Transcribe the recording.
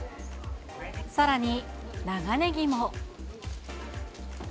さらに長ネギも。